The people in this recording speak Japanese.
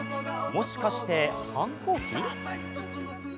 もしかして反抗期？